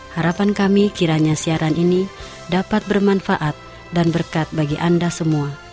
harapan kami kiranya siaran ini dapat bermanfaat dan berkat bagi anda semua